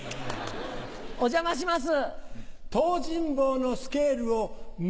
お邪魔します。